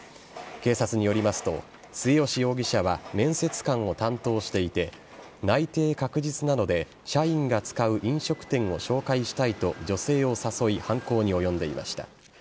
警察によりますと、末吉容疑者は面接官を担当していて内定確実なので社員が使う飲食店を紹介したいと女性を誘い犯行に及んでいました。